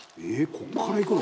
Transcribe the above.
「ここからいくの？」